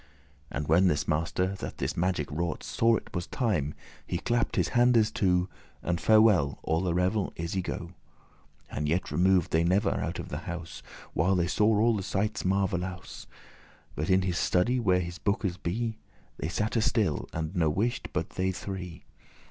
And when this master, that this magic wrought, Saw it was time, he clapp'd his handes two, And farewell, all the revel is y go.* *gone, removed And yet remov'd they never out of the house, While they saw all the sightes marvellous; But in his study, where his bookes be, They satte still, and no wight but they three.